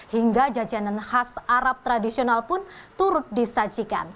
hingga jajanan khas arab tradisional pun turut disajikan